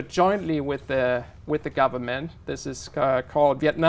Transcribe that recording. có lẽ họ sẽ gửi các bạn